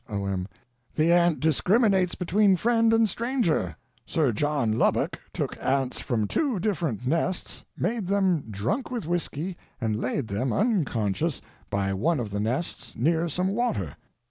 O.M. The ant discriminates between friend and stranger. Sir John Lubbock took ants from two different nests, made them drunk with whiskey and laid them, unconscious, by one of the nests, near some water.